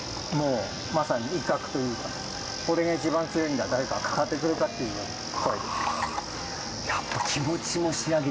まさに威嚇というか俺が一番強いんだ誰かかかってくるかという声です。